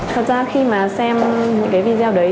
thật ra khi mà xem những video đấy